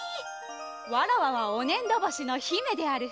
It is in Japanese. わらわはおねんどぼしのひめである。